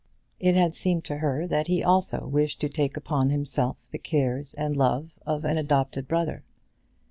It had seemed to her that he also wished to take upon himself the cares and love of an adopted brother.